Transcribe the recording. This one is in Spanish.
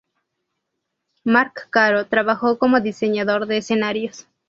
Marc Caro trabajó como diseñador de escenarios.